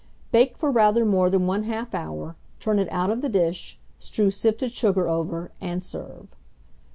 Bake for rather more than 1/2 hour; turn it out of the dish, strew sifted sugar over, and serve.